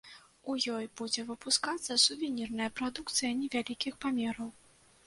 У ёй будзе выпускацца сувенірная прадукцыя невялікіх памераў.